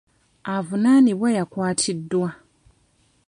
Avunaanibwa yakwatiddwa.